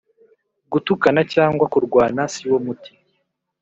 Gutukana cyangwa kurwana siwo muti